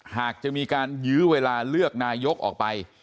หากจะมีการยื้อเวลาเลือกนายกออกไป